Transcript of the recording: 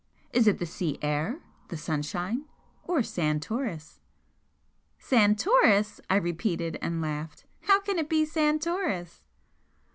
Is it the sea air, the sunshine, or Santoris?" "Santoris!" I repeated, and laughed. "How can it be Santoris?"